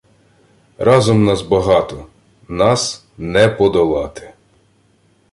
Разом нас багато, нас не подолати